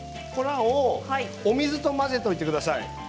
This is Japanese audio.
お水と混ぜておいてください。